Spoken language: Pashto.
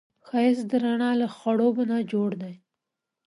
ښایست د رڼا له خړوبو نه جوړ دی